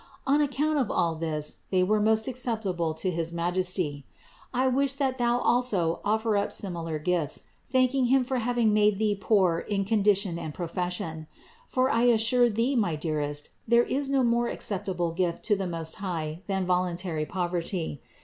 On account of all this they were most acceptable to his Majesty. I wish that thou also offer up similar gifts, thanking Him for hav ing made thee poor in condition and profession. For I assure thee, my dearest, there is no more acceptable gift to the Most High than voluntary poverty.